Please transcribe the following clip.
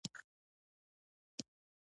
د نرمو نرمو وږمو، د اوسیدولو د ښار نوم ولیکي